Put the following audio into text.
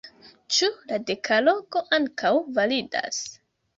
Ĉu la dekalogo ankoraŭ validas?